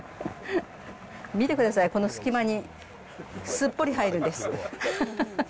見てください、この隙間に、すっぽり入るんです。